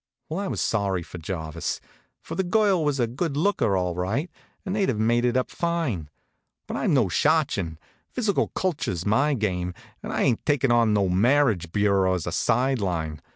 Well, I was sorry for Jarvis; for the girl was a good looker, all right, and they'd have mated up fine. But I'm no schatchen. Physical culture's my game, an' I ain't takin' on no marriage bureau as a side line.